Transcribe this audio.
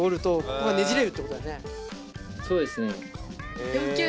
そうですね。